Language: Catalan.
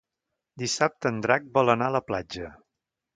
Dissabte en Drac vol anar a la platja.